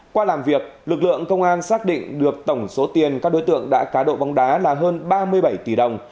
qua làm việc lực lượng công an xác định được tổng số tiền các đối tượng đã cá độ bóng đá là hơn ba mươi bảy tỷ đồng